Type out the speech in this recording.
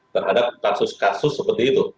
terhadap kasus kasus seperti itu